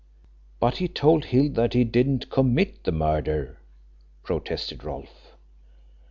"But he told Hill that he didn't commit the murder," protested Rolfe.